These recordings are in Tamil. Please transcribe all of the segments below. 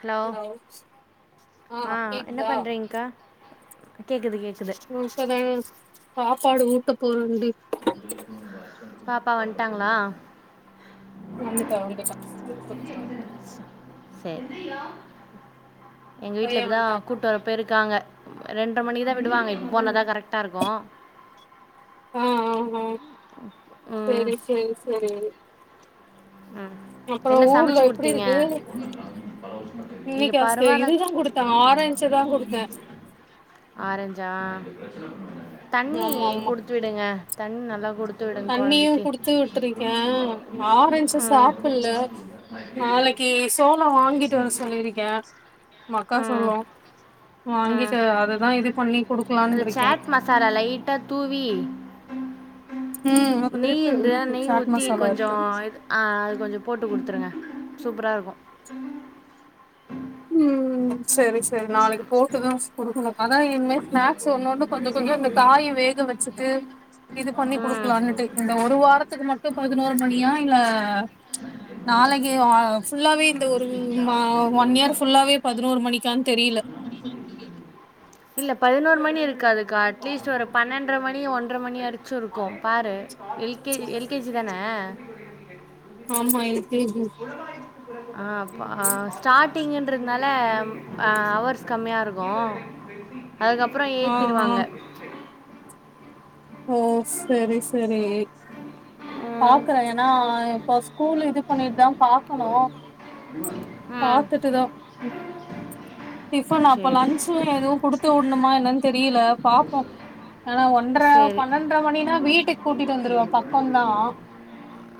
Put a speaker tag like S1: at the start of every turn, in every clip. S1: ஹலோ ஆ என்ன பண்றீங்க்கா கேக்குது கேக்குது
S2: இப்பதா சாப்பாடு ஊட்ட போக முடியு
S1: பாப்பா வன்ட்டாங்ளா
S2: வந்துட்டா வந்துட்டா ஸ்கூல் போய்ர்ந்தா
S1: சேர் எங்க
S2: பைய
S1: வீட்ல இப்பதா
S2: வன்ட்டானா
S1: கூட்டு வர பேருக்காங்க ரெண்டு மணிக்குதா விடுவாங்க இப்போனதா கரெக்ட்டா இருக்கு
S2: ஆ ஆ ஆ
S1: ம்
S2: சேரி சேரி சேரி
S1: ம்
S2: அப்றோ
S1: என்ன சமச்சு
S2: ஊர்ல எப்டி
S1: குடுத்தீங்க
S2: இருக்கு
S1: இங்க
S2: இன்னைக்கு அஸ்து
S1: பரவால்ல
S2: இதுதா குடுத்தே ஆரஞ்சு தா குடுத்தே
S1: ஆரஞ்சா தண்ணி
S2: ஆமா ஆமா
S1: குடு துடுங்க தண்ணி நல்லா குடுத்துவிடுங
S2: தண்ணியு
S1: கொழந்தைக்கு
S2: து சாப்புல்ல நாளைக்கு சோளோ வாங்கிட்டு வர சொல்லிருக்கே மக்கா
S1: ம்
S2: சோளோ
S1: ம்
S2: வாங்கிட்டு அததா இது பண்ணி குடுக்கலான்ட்ருக்கே
S1: பர லைட்டா தூவி
S2: ம்
S1: நெய்
S2: இருக்கு
S1: இருந்துதா
S2: இருக்கு
S1: நெய்
S2: சாட்
S1: ஊத்தி
S2: மசாலா
S1: கொஞ்சோ
S2: இருக்கு
S1: ஆய்லு ஆ அது கொஞ்சோ போட்டு குடுத்துருங்க சூப்பரா இருக்கு
S2: ம் செரி செரி நாளைக்கு போட்டுதா குடுக்குணு அதா இன்மே ஸ்நாக்ஸ் ஒன்னொன்னு கொஞ்சோ கொஞ்சோ இந்த காய வேக வச்சுட்டு இது பண்ணி
S1: ம்
S2: குடுக்குலானுட்டு இந்த ஒரு வாரத்துக்கு மட்டு பதினோரு மணியா இல்ல நாளைக்கே அ ஃபுல்லாவே இந்த ஒரு மா ஒன் இயர் ஃபுல்லாவே பதினோரு மணிக்கான் தெரில
S1: இல்ல பதினோரு மணி இருக்காதுக்கா அட்லீஸ்ட் ஒரு பணண்ட்றமணி ஒன்ற மணி அடுச்சு இருக்கு பாரு L K L K G தான
S2: ஆமா எல் கே ஜி
S1: ஆ பா ஸ்டாடிங்கின்றதுனால ஆ அவர்ஸ் கம்மியா இருக்கு அதுக்கப்புறோ
S2: ஆ ஆ
S1: ஏத்திருவாங்க
S2: ஓ சரி சரி
S1: ம்
S2: பாக்குறே ஏனா இப்போ ஸ்கூல் இது பண்ணிட்தா பா
S1: ம்
S2: பாத்துட்டுதா டிஃபன் அப்போ
S1: சரி
S2: லஞ்சு எதுவு குடுத்து உட்ணுமா என்னன் தெரில பாப்போ ஆனா ஒன்ற
S1: சரி
S2: பணண்ட்ர மணினா வீட்டுக் கூட்டிட்டு வந்துருவோ பக்கோந்தா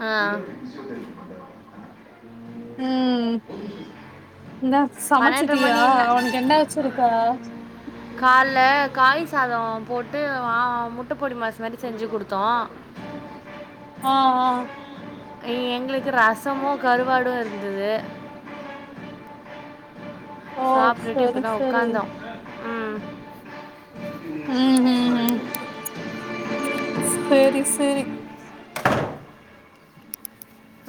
S1: ஆ பன்னெண்டரை
S2: சமச்சுட்டியா
S1: மணி
S2: அவனுக்கு என்ன வச்சிருக்க
S1: கால்ல காய்சாதோ போட்டு வா முட்டப்பொடிமாஸ் மாரி செஞ்சு குடுத்தோ
S2: ஆ ஆ
S1: இ எங்ளுக்கு ரசமு கருவாடு இருந்துது
S2: ஓ
S1: சாப்ட்டுட்டு
S2: சரி
S1: இப்பதா
S2: சரி
S1: உக்காந்தோ ம்
S2: ம் ம் ம் சேரி சேரி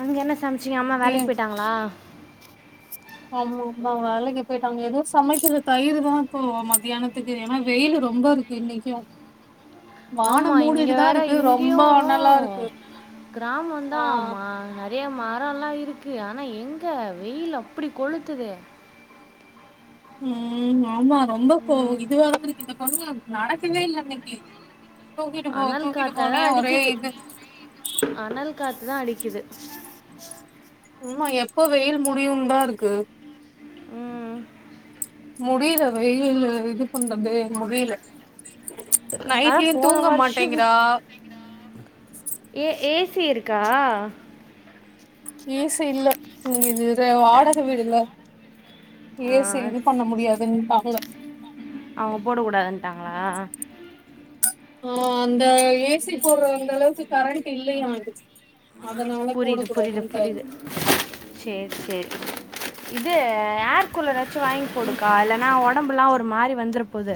S1: அங்க என்ன சம்ச்சீங்க அம்மா
S2: ஏ
S1: வேலைக்கு போய்ட்டாங்களா
S2: ஆமா அம்மா வேலைக்கு போய்ட்டாங்க எதூ சமைக்கல தயிருதா இப்போ மதியானத்துக்கு ஏனா வெயிலு ரொம்ப இரு இன்னைக்கு
S1: ஆமா
S2: வானம்
S1: இங்க
S2: மூடிட்டுதா
S1: வேற
S2: இருக்கு
S1: இங்யு
S2: ரொம்ப அனலா இருக்கு
S1: கிராமோந்தா
S2: ஆ
S1: ஆமா ங்கே மரோல்லா இருக்கு ஆனா எங்க வெயில் அப்பிடி கொளுத்துது
S2: ம் ஆமா ரொம்ப கோ
S1: ம்
S2: இதுவாதா இருக்கு இதுகாகதா நடக்கவே இல்ல இன்னைக்கி தூக்கிட்டு போ
S1: அனல்
S2: தூக்கிட்டு
S1: காற்றை
S2: போனு
S1: தான்
S2: ஒரே இது
S1: காத்து தா அடிக்குது
S2: ஆமா எப்போ வெயில் முடியு தா இருக்கு
S1: ம்
S2: முடில வெயில் இது பண்றதே முடில
S1: ஆனால்
S2: நைட்லையு
S1: போன
S2: தூங்க
S1: வருஷம்
S2: மாட்டேங்கிறா
S1: ஏ ஏசி இருக்கா
S2: ஏசி இல்ல ம் இது வாடக வீடுல
S1: ஆ,
S2: ஏசி இது பண்ண முடியாதுன்ட்டாங்க
S1: அவுங்க போடக் கூடாதுட்டாங்களா
S2: ஆ அந்த ஏசி போட்ற அந்த அளவுக்கு கரண்ட் இல்லையா இதுக்கு அதனால போடக் கூடாதுன்டாரு
S1: சேர் சேர் இது ஏர் கூலராச்சு வாங்கி
S2: ம்
S1: போடுக்கா இல்லன்னா உடம்பெல்லா ஒரு மாரி வந்துரப்போது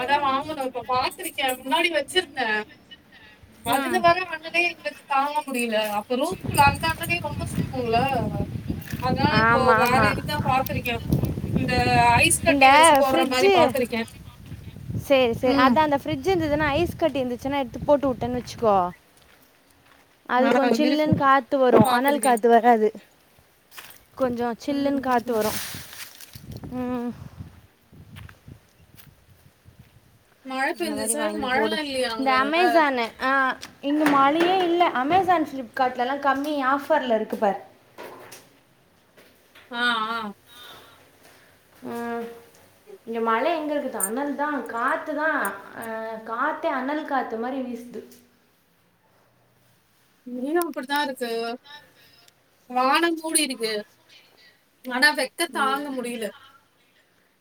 S2: அதா வாங்கணு இப்ப பாத்துருக்க முன்னாடி வச்சிருந்த அதுல
S1: ம்
S2: வர அனலே எங்களுக்கு தாங்க முடில அப்ப ரூம்ல அந்த அனலையு ரொம்ப சுத் துள அதனால இப்போ
S1: ஆமாம்
S2: வேற
S1: ஆமாம்
S2: இதுதா பாத்திருக்கே இந்த ஐஸ்
S1: இந்த
S2: கட்டி வச்சு போட்ற மாரி பாத்திருக்கே
S1: சேரி சேரி
S2: ம்
S1: அத அந்த ஃப்ரிட்ஜ் இருந்துதுன்னா ஐஸ் கட்டி இருந்துச்சுன்னா எடுத்து போட்டு வுட்டன் வச்சுக்கோ அது
S2: ஆ
S1: கொஞ்
S2: இருக்கு
S1: சில்லுன்னு காத்து வரு அனல்
S2: பாத்துருக்கே
S1: காத்து வராது கொஞ்சோ
S2: ம்
S1: சில்லுன்னு காத்து
S2: ம்
S1: வரு ம்
S2: மழ
S1: அந்த மாரி
S2: பெஞ்சுச்சா
S1: வாங்கி போடு
S2: மழல்லா இல்லையா
S1: இந்த
S2: அங்க
S1: அமேசானு ஆ இங்கே மழையே இல்ல அமேசான் ப்ளிப்கார்ட்லலா கம்மி ஆஃபர்ல இருக்கு பார்
S2: ஆ ஆ
S1: ம் இங்க மழை எங்க இருக்குது அனல் தா காத்து தா ஆ காத்தே அனல் காத்து அந்த மாரி வீசுது
S2: இங்கையு அப்டித்தா இருக்கு வானம் கூடி இருக்கு ஆனா வெக்
S1: ம்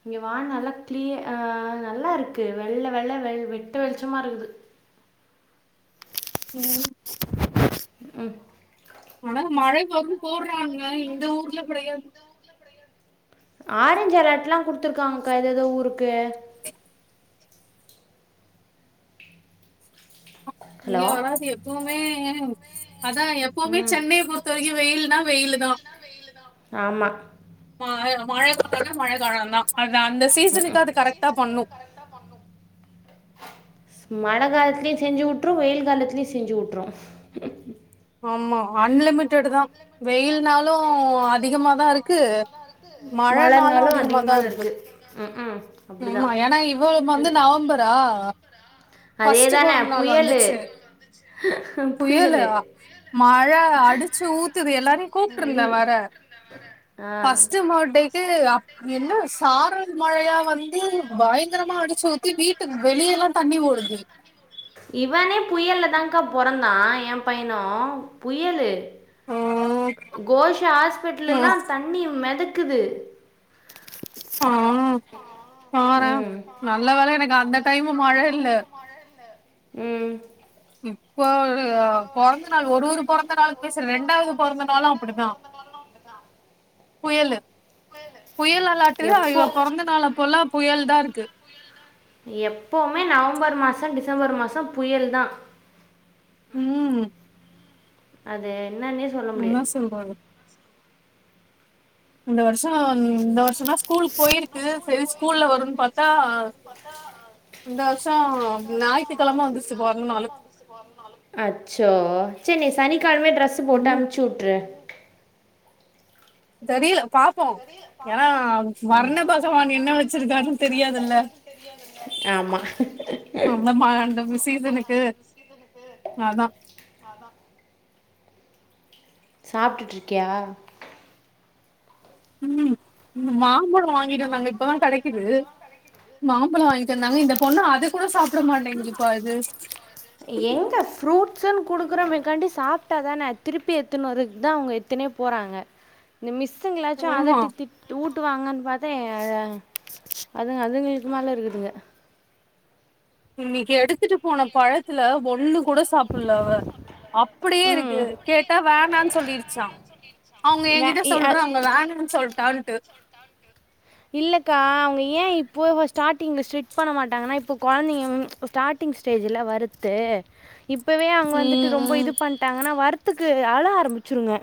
S1: இங்க வான் நல்லா கிளிய ஆ நல்லா இருக்கு வெள்ள வெள்ள வெ வெட்ட வெளிச்சமா இருக்குது
S2: ம்
S1: ம்
S2: ஆனா மழை வரு போட்றாங்க இந்த ஊர்ல கெடையாது
S1: ஆரஞ்ச் அலர்ட்லா குடுத்துருக்காங்கக்கா ஏதோ எதோ ஊருக்கு
S2: இங்க
S1: ஹலோ
S2: வராது எப்வுமே அதா எப்வுமே
S1: ம்
S2: சென்னைய பொ ருத்த வரைக்கு வெயில்ன்னா வெயிலு தா
S1: ஆமா
S2: ம மழ காலனா மழ காலம்தா அது அந்த சீசனுக்கு அது கரெக்டா பண்ணு
S1: மழ காலத்துலையு செஞ்சி வுட்ரு வெயில் காலத்துலையு செஞ்சி வுட்ரு
S2: ஆமா அன்லிமிட்டட் தா வெயில்னாலு அதிகமாதா இருக்கு மழனாலு
S1: மழைனாலும்
S2: அதிகம தா
S1: அதிகமாக
S2: இருக்கு
S1: ம் ம்
S2: ஆமா
S1: அப்படிதான்
S2: ஏன்னா இவ வந்து நவம்பர் தா
S1: அதே
S2: ஃபஸ்ட்
S1: தானே
S2: பொறந்த ஒரு நாள்
S1: புயல்
S2: வந்துச்சு புயலு
S1: புயல்
S2: மழ அடிச்சு ஊத்துது எல்லாரையு கூப்ட்டு இருந்த
S1: அடி
S2: வேற
S1: ஆ
S2: ஃபர்ஸ்ட்டு பேர்த்டேக்கு அப் என்ன சாரல் மழயா வந்து பயங்கரமா அடிச்சு ஊத்தி வீட்டுக்கு வெளியல்லா தண்ணி ஓடுது
S1: இவனே புயல்ல தாக்கா பொறந்தா என் பையனு புயலு
S2: ம்
S1: கோஷா ஹாஸ்பிட்டலல்லா
S2: ம்
S1: தண்ணி மெதக்குது
S2: ஆ பாறே
S1: ம்
S2: நல்ல வேல எனக்கு அந்த டைமு மழ இல்ல
S1: ம்
S2: இப்ப பொறந்த நாள் ஒரு ஒரு பொறந்த நாளுக்குமே ரெண்டாவது பொறந்த நாளு அப்டிதா புயலு புயல் அளாட்டுதா
S1: எப்போ
S2: இவ பொறந்த நாள் அப்போலா புயல் தா இருக்கு
S1: எப்பமே நவம்பர் மாச டிசம்பர் மாச புயல் தா
S2: ம்
S1: அ என்னனே
S2: என்ன சொல்றது இந்த வருஷ இந்த வருஷ தா ஸ் ஸ்கூல் போயிருக்கு செரி ஸ்கூல்ல வருன் பாத்தா இந்த வருஷ நாய்ப்
S1: அச்சோ சரி நீ சனிக்கிழமையே ட்ரெஸ் போட்டு
S2: ம்
S1: அம்ச்சு விட்ரு
S2: தெரியல பாப்போ ஏன்னா வர்ண பகவான் என்ன வச்சிருக்காருன்னு தெரியாதுல்ல
S1: ஆமா
S2: அந்த மா அந்த மெசேஜ் எனக்கு அதா
S1: சாப்ட்டுட்ருக்கியா
S2: ம் மாம்பழ வாங்கிட்டு வந்தாங்க இப்பதா கெடைக்குது மாம்பழம் வாங்கி சொன்னாங்க இந்த பொண்ணு அத கூட சாப்ட மாட்டேங்குதுப்பா இது
S1: எங்க ஃப்ரூட் டிபன் குடுக்குறமக்காண்டி சாப்ட்டாதான திருப்பி எத்துனு வரதுக்குதா அவங்க எத்துனே போறாங்க இந்த மிஸ்ஸுங்களாச்சு
S2: ஆமா
S1: அதட்டி திட் ஊட்டு வாங்கன்னு பாத்தா அதுங்க அதுங்களுக்கு மேல இருக்குதுங்க
S2: இன்னைக்கு எடுத்துட்டு போன பழத்துல ஒன்னு கூட சாப்புடல அவ அப்டியே இருக்கு
S1: ம்
S2: கேட்டா வேணான் சொல்லிருச்சா அவங்க எ
S1: வே
S2: கிட்ட
S1: இ அ
S2: சொல்றாங்க வேணான் சொல்ட்டான்ட்டு
S1: இல்லக்கா அவங்க ஏன் இப்போ ஸ்டார்டிங்ல ஸ்ட்ரிட் பண்ண மாட்டாங்கனா இப்போ கொழந்தைங்க ஸ்டார்ட் டிங் ஸ்டேஜ்ல வருத்து இப்பவே அவங்க வந்துட்டு
S2: ம்
S1: ரொம்ப
S2: ம்
S1: இது பண்ணிட்டாங்கனா வரத்துக்கு அழ ஆரம்பிச்சிருங்க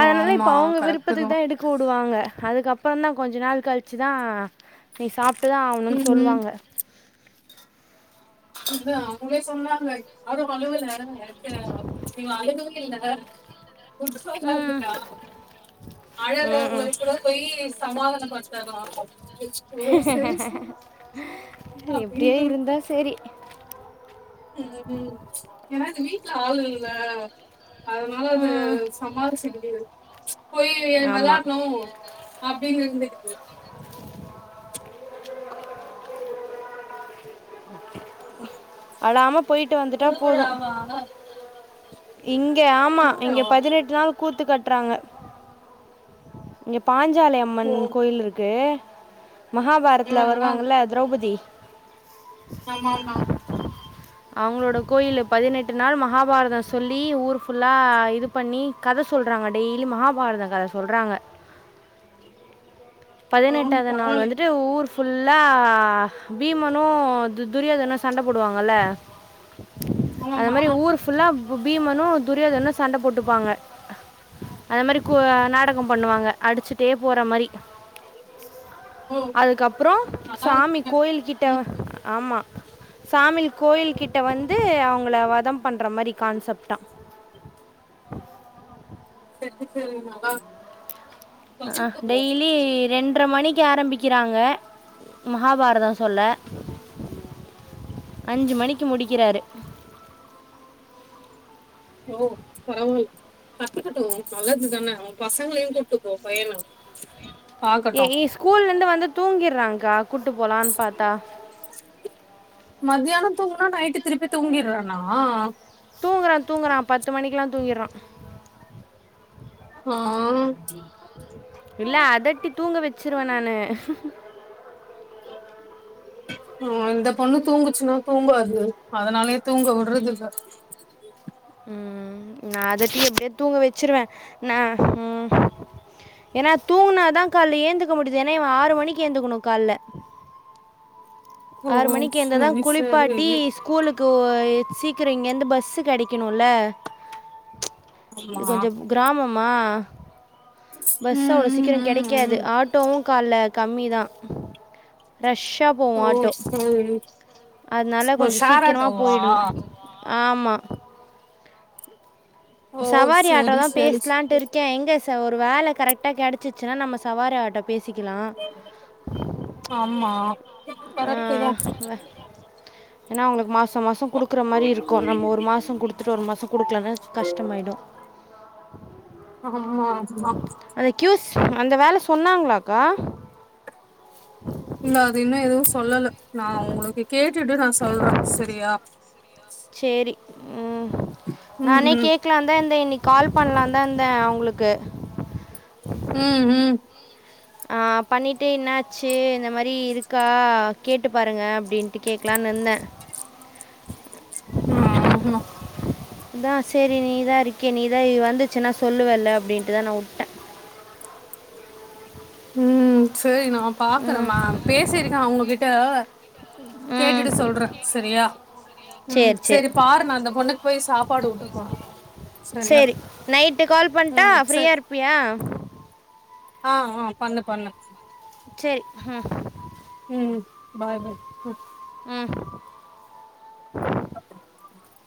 S1: அதனால இப்ப
S2: ஆமா
S1: அவங்க
S2: கரெக்ட்டு
S1: விருப்பத்துக்கு தா எடுத் புடுவாங்க அதுக்கப்பற தா கொஞ்சோ நாள் கழிச்சுதா நீ சாப் ட்டு தா ஆவணுன்
S2: ம் ம்
S1: சொல்லுவாங்க
S2: இன்னிக்கு தா அவங்களே சொன்னாங்க யாரு அழவுல வக்கல இவ அழுகவே இல்ல புதுசா
S1: ம்
S2: கெளம்பிட்டா அழாதவங்கள
S1: ம்
S2: கூட போயி சமாதான படுத்துறதா பிச்
S1: எப்டியே
S2: அப்டின்ட்டு
S1: இருந்தா
S2: விட்டே
S1: செரி
S2: ம் ம் ஏன்னா இந்த வீட்ல ஆள் இல்லல அதனால அது
S1: ம்
S2: சமாளிச்சுக்குது போய் வெ
S1: ஆமாம்
S2: வெளாட்ணு அப்டின்னு இருந்துக்குது
S1: அழாம போயிட்டு வந்துட்டா போது
S2: திருவிழாவா
S1: இங்க ஆமா இங்க
S2: திருவிழாவா
S1: பதினெட்டு நாள் கூத்து கட்றாங்க இங்க பாஞ்சாலி அம்மன்
S2: ஓ
S1: கோயில் இருக்கு
S2: ஆ
S1: மகாபாரத்துல
S2: ஆ
S1: வருவாங்கள்ல திரௌபதி
S2: ஆமாம்மா
S1: அவ்ங்களோட கோயிலு பதினெட்டு நாள் மகாபாரத சொல்லி ஊர் ஃபுல்லா இதுப் பண்ணி கத சொல்கறாங்க டெய்லி மகாபாரத கத சொல்றாங்க
S2: ம்
S1: பதினெட்டாவ்து நாள்
S2: பரவால்லையே
S1: வந்துட்டு ஊர் ஃபுல்லா பீமனு து துரியோதனு சண்ட போடுவாங்கல்ல அந்த
S2: ஆமாமா
S1: மாரி ஊரு ஃபுல்லா பீ பீமனு துரியோதனு சண்ட போட்டுப்பாங்க அந்த மாரி கோ நாடக பண்ணுவாங்க அடிச்சுட்டே போற மாரி
S2: ஓ
S1: அதுக்கப்றோ
S2: நல்லா
S1: சாமி
S2: இருக்குல்ல
S1: கோயில்கிட்ட
S2: ம்
S1: ஆமா சாமில் கோயில் கிட் ட்ட வந்து அவுங்கள வதம் பண்ற மாரி கான்செப்ட்டா
S2: சேரி சேரி மகா
S1: அ ஆ டெய்லி ரெண் ட்ர மணிக்கு ஆரம்பிக்கிறாங்க மகாபாரத சொல்ல அஞ்சு மணிக்கு முடிக்கிறாரு
S2: [unintelligible] கத்துக்குட்டு நல்லது தான அவ பசங்லயு கூப்ட்டுக்கோ பையன
S1: ஏ
S2: பாக்கட்டு
S1: ஹி ஸ்கூல்லருந்து வந்து தூங்கிறாங்க்கா கூட்டு போலான் பாத்தா
S2: மத்யான தூங்குனா நைட்டு திருப்பி தூங்கிர்றானா
S1: தூங்குறா தூங்குறா பத்து மணிக்லா தூங்கிர்றா
S2: நா
S1: இல்ல அதட்டி தூங்க வெச்சிருவே நானு
S2: ஓ இந்த பொண்ணு தூங்குச்சுனா தூங்காது அதனாலயே தூங்க வுட்றதுல்ல
S1: ம் நா அதட்டி எப்டியாவ்து தூங்க வெச்சிருவே நா ம் ஏனா தூங்குனாதா கால்ல ஏந்துக்க முடிய்து ஏனா இவ ஆறு மணிக்கு ஏந்திக்கணு கால்ல
S2: ஓ
S1: ஆறு மணிக்கு எழ்ந்தா தா
S2: சரி சரி
S1: குளிப்பாட்டி ஸ் கூலுக்கு எ சீக்கிர இங்கேருந்து பஸ்ஸு கெடைக்கணுல இது
S2: ஆமா
S1: கொஞ்ச கிராமமா பஸ்ஸு
S2: ம்
S1: அவ்ளோ
S2: ம்
S1: சீக்கிர
S2: ம்
S1: கெடைக் க்காது
S2: ம்
S1: ஆட்டோவு கால்ல கம்மி தா ரஷ்ஷா போவு
S2: ஓ
S1: ஆட்டோ
S2: சரி
S1: அதனால
S2: ஓ
S1: கொஞ்ச
S2: ஷேர்
S1: சீக்கிரமா
S2: ஆட்டோவா
S1: போயிடணு ஆமா
S2: ஓ
S1: சவாரி ஆட்டோ
S2: சரி
S1: தா
S2: சரி ச
S1: பேசலான்ட்டு இருக் கே எங்க ச ஒரு வேல கரெக்டா கெடச்சிச்சுனா நம்ம சவாரி ஆட்டோ பேசிக்கலா
S2: ஆம்மா
S1: ஆ ஏனா அவ்ங்களுக்கு மாச மாச குடுக் கிற மாரி இருக்கு நம்ம ஒரு மாச குடுத்துட்டு ஒரு மாச குடுக்கலனா கஷ்டமாயிடு
S2: ஆமா ஆமா
S1: அந்த க்யூஸ் அந்த வேல சொன்னாங்ளாக்கா
S2: இல்ல அது இன்னு எதுவு சொல்லல நா உங்களுக்கு கேட்டுட்டு நா சொல்றே செரியா
S1: சேரி ம்
S2: ம்
S1: நானே கேக்லான்தா இருந்தே இன்னைக் கால் பண்லான் தா இருந்தே அவுங்களுக்கு
S2: ம் ம்
S1: ஆ பண்ணிட்டு இன்னாச்சு இந்த மாரி இருக்கா கேட்டு பாருங்க அப்டின் ட்டு கேக்லான் இருந்தே
S2: நா தா
S1: அதா சேரி நீதா இருக்கியே நீதா வந்துச்சின்னா சொல்லுவல்ல அப்டின்டுதா நா வுட்
S2: ம் சேரி நாப்
S1: ம்
S2: பாக்றம்மா பேசிருக்கே அவுங்ககிட்ட அ
S1: ம்
S2: கேட்டுட்டு சொல்ற செரியா ம்
S1: சரி சரி
S2: செரி பாரு நா அந்த பொண்ணுக்கு பேய் சாப்பாடு ஊட்டப் போறே சரியா
S1: சேரி நைட்டு கால் பண்டா
S2: ம்
S1: ஃப்ரீயா
S2: சரி
S1: இருப்பியா
S2: ஆ ஆ பண்ணு பண்ணு
S1: செரி ஹும்
S2: ம் பாய்
S1: ம்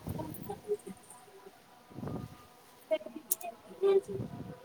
S2: ம்